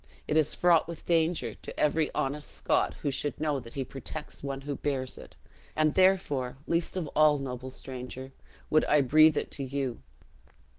It is fraught with danger to every honest Scot who should know that he protects one who bears it; and therefore, least of all, noble stranger, would I breathe it to you."